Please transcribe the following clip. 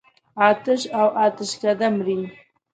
آتش او آتشکده مري.